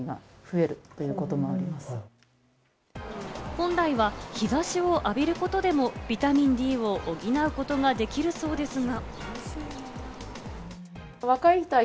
本来は日差しを浴びることでもビタミンＤを補うことができるそうですが。